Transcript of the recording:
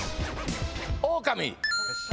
オオカミ。